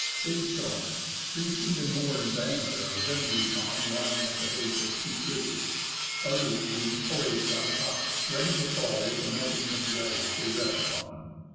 Big stones, three feet and more in diameter are generally found lying at the base of steep ridges, others being poised on the top, ready to fall with the melting of the ice they rest upon.